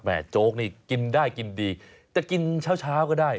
โจ๊กนี่กินได้กินดีจะกินเช้าก็ได้